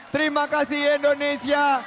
terima kasih indonesia